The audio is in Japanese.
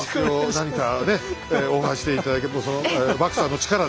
何かねっオファーして頂けるとその獏さんの力で。